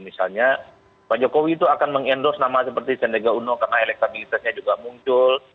misalnya pak jokowi itu akan mengendorse nama seperti sendega uno karena elektabilitasnya juga muncul